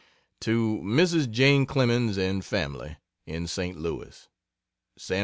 To Mrs. Jane Clemens and family, in St. Louis: SAN F.